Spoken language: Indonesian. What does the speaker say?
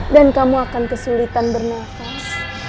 dan kamu akan kesulitan bernafas